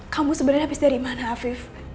kamu sebenarnya habis dari mana afif